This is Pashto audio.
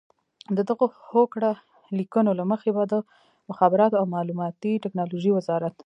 د دغو هوکړه لیکونو له مخې به د مخابراتو او معلوماتي ټکنالوژۍ وزارت